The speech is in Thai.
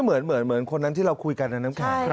เหมือนคนนั้นที่เราคุยกันนะน้ำแข็ง